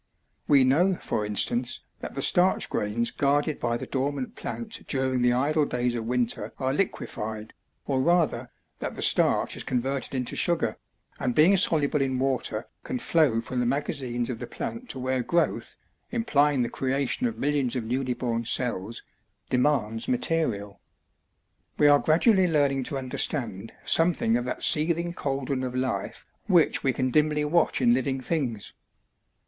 We know for instance that the starch grains guarded by the dormant plant during the idle days of winter are liquified, or rather, that the starch is converted into sugar, and being soluble in water can flow from the magazines of the plant to where growth, implying the creation of millions of newly born cells, demands material. We are gradually learning to understand something of that seething cauldron of life which we can dimly watch in living things.